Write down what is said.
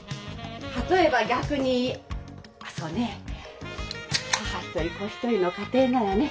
例えば逆にそうね母一人子一人の家庭ならね